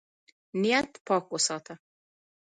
نیت پاک وساته.